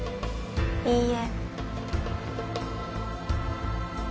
いいえ。